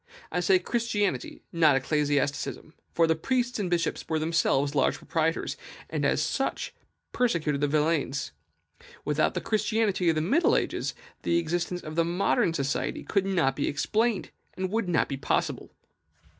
I say Christianity, not ecclesiasticism; for the priests and bishops were themselves large proprietors, and as such often persecuted the villeins. Without the Christianity of the middle ages, the existence of modern society could not be explained, and would not be possible.